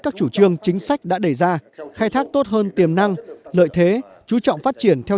các chủ trương chính sách đã đề ra khai thác tốt hơn tiềm năng lợi thế chú trọng phát triển theo